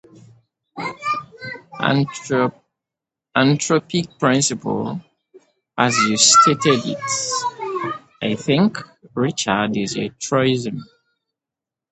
The anthropic principle, as you stated it, I think, Richard, is a truism.